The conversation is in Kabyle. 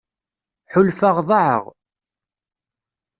Ḥulfaɣ ḍaεeɣ.